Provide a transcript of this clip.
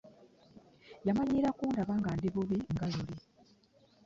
Yamanyiira kundaba nga ndi bubi nga luli.